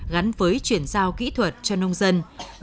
gắn với chuyển giao kỹ thuật cho nông dân và các nông dân